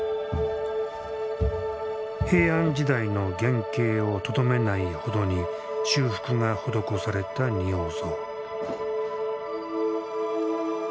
平安時代の原形をとどめないほどに修復が施された仁王像。